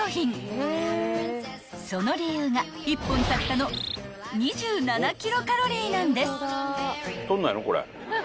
［その理由が１本たったの２７キロカロリーなんです］